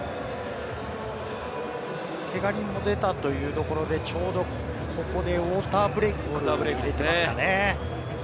けが人も出たというところで、ちょうどここでウォーターブレイクですかね。